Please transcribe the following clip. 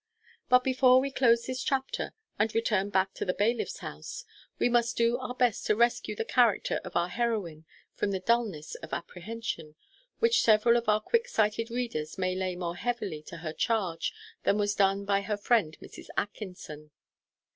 But before we close this chapter, and return back to the bailiff's house, we must do our best to rescue the character of our heroine from the dulness of apprehension, which several of our quick sighted readers may lay more heavily to her charge than was done by her friend Mrs. Atkinson.